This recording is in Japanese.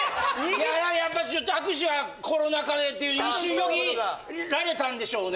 いややっぱちょっと握手はコロナ禍でって一瞬よぎられたんでしょうね。